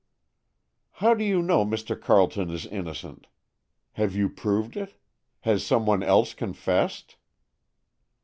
"How do you know Mr. Carleton is innocent? Have you proved it? Has some one else confessed?"